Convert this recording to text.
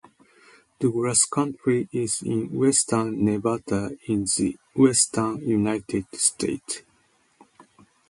Douglas County is in western Nevada in the western United States.